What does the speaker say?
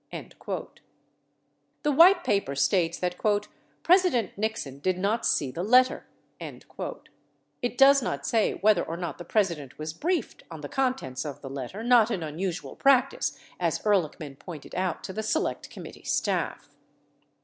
67 The White Paper states that "President Nixon did not see the let ter." It does not say whether or not the President was briefed on the contents of the letter — not an unusual practice, as Ehrlichman pointed out to the Select Committee staff.